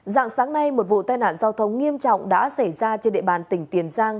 dạng sáng nay một vụ tai nạn giao thông nghiêm trọng đã xảy ra trên địa bàn tỉnh tiền giang